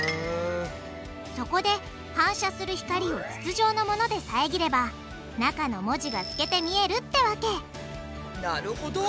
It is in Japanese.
そこで反射する光を筒状のもので遮れば中の文字が透けて見えるってわけなるほど。